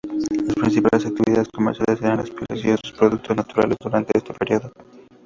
Las principales actividades comerciales eran las pieles y otros productos naturales durante este período.